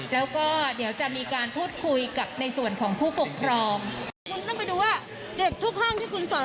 แล้วก็เดี๋ยวจะมีการพูดคุยกับในส่วนของผู้ปกครอง